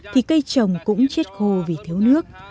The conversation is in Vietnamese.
thì cây trồng cũng chết khô vì thiếu nước